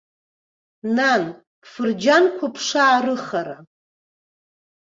Нан, бфырџьанқәа бшаарыхара.